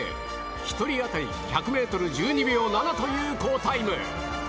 １人当たり１００メートル１２秒７という好タイム。